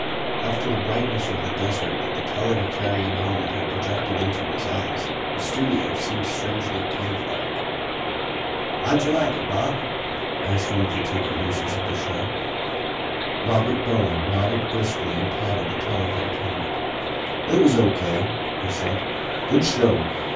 After the brightness of the desert that the televicarion helmet had projected into his eyes, the studio seemed strangely cavelike. "How'd you like it, Bob?" asked one of the two producers of the show. Robert Bowen nodded briskly and patted the televike helmet. "It was O.K.," he said. "Good show.